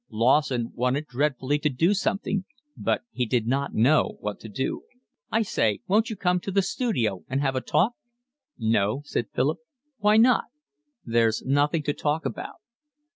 Lawson wanted dreadfully to do something, but he did not know what to do. "I say, won't you come to the studio and have a talk?" "No," said Philip. "Why not?" "There's nothing to talk about."